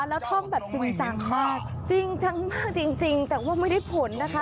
แล้วท่องแบบจริงจังมากจริงจังมากจริงจริงแต่ว่าไม่ได้ผลนะคะ